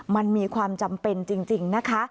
มันมีความจำเป็นจริงนะคะ